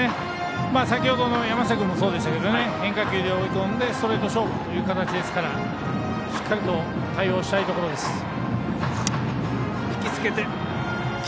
先ほどの山下君もそうでしたけど変化球で追い込んでストライク勝負という形ですからしっかりと対応したいところです。